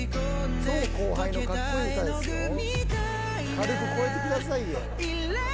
軽く超えてくださいよ。